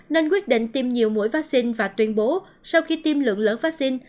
nên quyết định tiêm nhiều mũi vaccine và tuyên bố sau khi tiêm lượng lớn vaccine